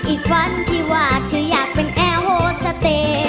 อีกฝันที่วาดคืออยากเป็นแอฮโหศเต่